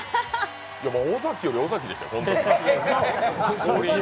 尾崎より尾崎でしたよ。